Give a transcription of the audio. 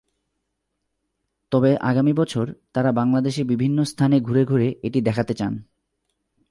তবে আগামী বছর তাঁরা বাংলাদেশের বিভিন্ন স্থানে ঘুরে ঘুরে এটি দেখাতে চান।